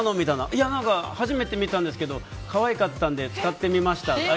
いや、初めて見たんですけど可愛かったんで使ってみましたとか。